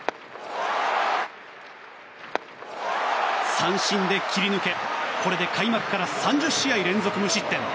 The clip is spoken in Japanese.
三振で切り抜けこれで開幕から３０試合連続無失点。